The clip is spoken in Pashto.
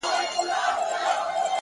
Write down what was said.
پوهه د غوره انتخاب سرچینه ده؛